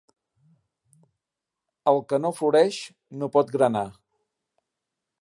El que no floreix no pot granar.